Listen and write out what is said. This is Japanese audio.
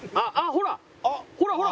ほらほらほら！